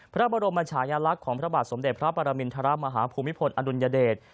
พระบรมชายลักษณ์ของพระบาทสมเด็จพระปรมินทรมาฮภูมิพลอดุลยเดช